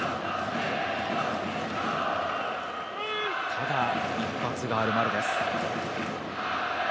ただ、一発がある丸です。